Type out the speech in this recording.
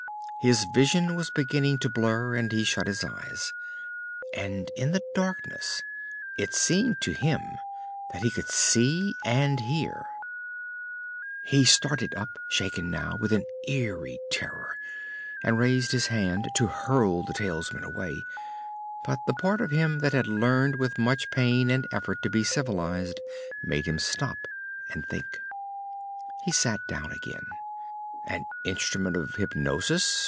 His vision was beginning to blur, and he shut his eyes, and in the darkness it seemed to him that he could see and hear.... He started up, shaken now with an eerie terror, and raised his hand to hurl the talisman away. But the part of him that had learned with much pain and effort to be civilized made him stop, and think. He sat down again. An instrument of hypnosis?